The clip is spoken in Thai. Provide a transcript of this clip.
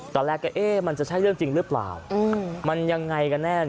ตอนแรกก็เอ๊ะมันจะใช่เรื่องจริงหรือเปล่ามันยังไงกันแน่